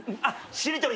しり取り。